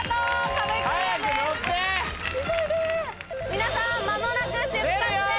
皆さん間もなく出発です！